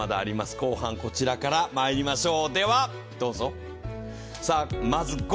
後半こちらからまいりましょう。